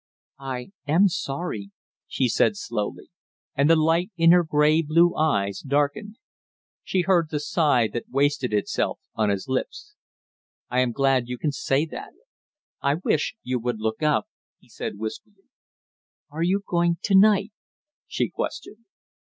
"I am sorry," she said slowly, and the light in her gray blue eyes darkened. She heard the sigh that wasted itself on his lips. "I am glad you can say that, I wish you would look up!" he said wistfully. "Are you going to night?" she questioned.